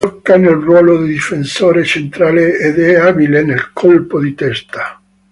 Gioca nel ruolo di difensore centrale ed è abile nel colpo di testa.